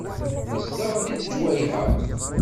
Yezdeɣ deg lejwayeh-a.